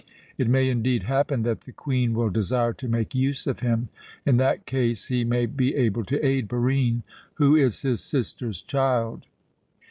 It may indeed happen that the Queen will desire to make use of him. In that case he may be able to aid Barine, who is his sister's child.